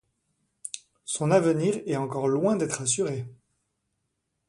Son avenir est encore loin d'être assuré.